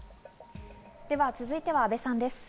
では続いては阿部さんです。